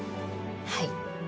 はい。